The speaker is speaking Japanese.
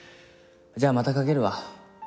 じゃあまたかけるわ。